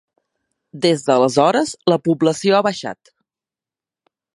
Des d'aleshores, la població ha baixat.